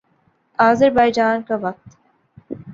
آذربائیجان کا وقت